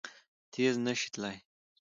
تېز نه شي تلای!